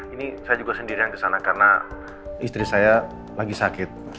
ini saya juga sendiri yang kesana karena istri saya lagi sakit